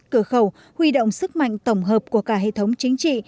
cửa khẩu huy động sức mạnh tổng hợp của cả hệ thống chính trị